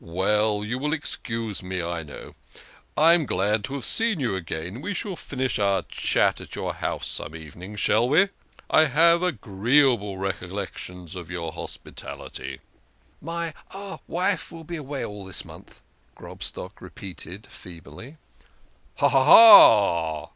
Well, you will excuse me, I know. I am glad to have seen you again we shall finish our chat at your house some evening, shall we? I have agreeable recollections of your hospitality." " My wife will be away all this month," Grobstock re peated feebly. " Ha ! ha ! ha